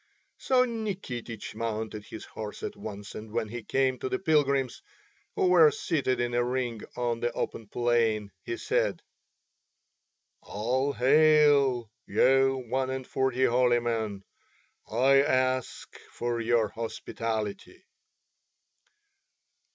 So Nikitich mounted his horse at once, and when he came to the pilgrims, who were seated in a ring on the open plain, he said: "All hail, ye one and forty holy men. I ask for your hospitality."